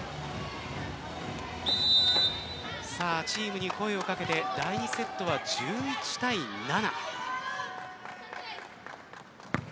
チームに声をかけて第２セットは１１対７。